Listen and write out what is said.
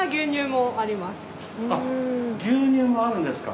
あっ牛乳があるんですか。